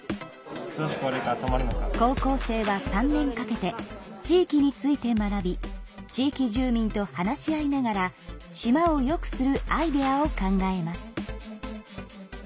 高校生は３年かけて地域について学び地域住民と話し合いながら島をよくするアイデアを考えます。